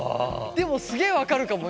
でもすげえ分かるかも。